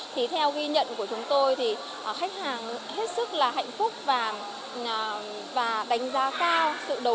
thì theo ghi nhận của chúng tôi thì khách hàng hết sức là hạnh phúc và đánh giá cao sự đầu tư